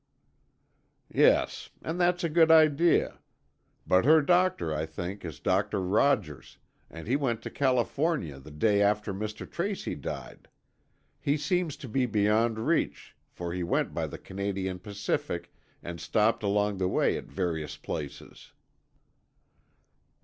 "Yes; and that's a good idea. But her doctor, I think, is Doctor Rogers, and he went to California the day after Mr. Tracy died. He seems to be beyond reach, for he went by the Canadian Pacific, and stopped along the way at various places."